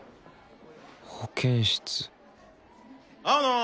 保健室青野！